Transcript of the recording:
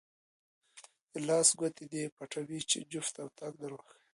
د لاس ګوتې دې پټوې چې جفت او طاق یې دروښایم.